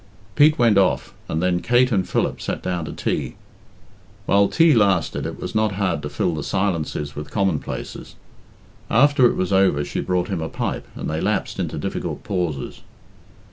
Pete went off, and then Kate and Philip sat down to tea. While tea lasted it was not hard to fill the silences with commonplaces. After it was over she brought him a pipe, and they lapsed into difficult pauses.